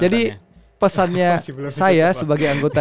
pesannya saya sebagai anggota